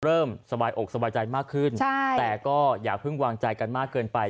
สบายอกสบายใจมากขึ้นแต่ก็อย่าเพิ่งวางใจกันมากเกินไป